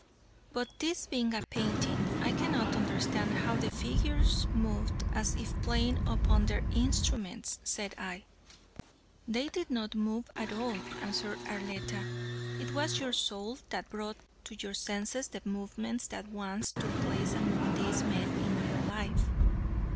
"But this being a painting, I cannot understand how the figures moved as if playing upon their instruments," said I. "They did not move at all," answered Arletta, "it was your soul that brought to your senses the movements that once took place among these men in real life.